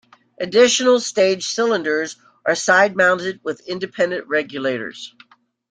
Additional stage cylinders are side mounted with independent regulators.